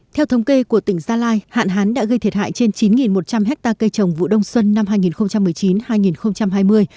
theo thống kê của tỉnh gia lai hạn hán đã gây thiệt hại trên chín một trăm linh hectare cây trồng vụ đông xuân năm hai nghìn một mươi chín hai nghìn hai mươi